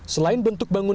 selain bentuk bangunan